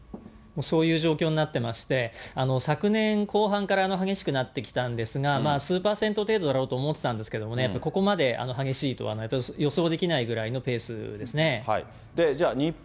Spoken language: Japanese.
そういう状況になってまして、昨年後半から激しくなってきたんですが、まあ数％程度だろうと思っていたんですが、やっぱりここまで激しいとは予想できないぐらいのペースですね。